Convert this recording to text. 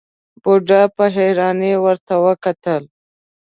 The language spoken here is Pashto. بوډا په حيرانۍ ورته وکتل.